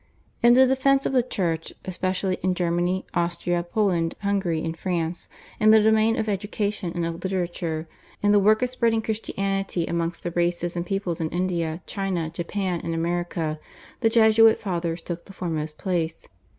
In the defence of the Church, especially in Germany, Austria, Poland, Hungary, and France, in the domain of education and of literature, in the work of spreading Christianity amongst the races and peoples in India, China, Japan, and America, the Jesuit Fathers took the foremost place.